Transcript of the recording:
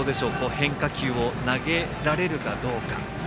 変化球を投げられるかどうか。